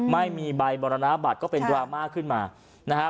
ไม่มีใบบรรณบัตรก็เป็นดราม่าขึ้นมานะฮะ